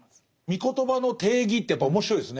み言葉の定義ってやっぱ面白いですね。